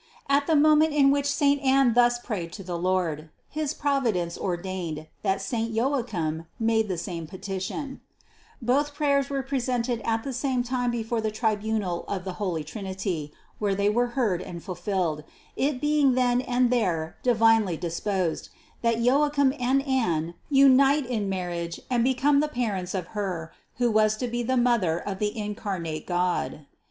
At the moment in which saint Anne thus prayed to the Lord, his Providence ordained, that saint 144 CITY OF GOD Joachim made the same petition : both prayers were pre sented at the same time before the tribunal of the holy Trinity, where they were heard and fulfilled, it being then and there divinely disposed, that Joachim and Anne unite in marriage and become the parents of Her, who was to be the Mother of the incarnate God.